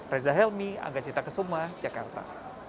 reza helmy angga cinta kesumah jakarta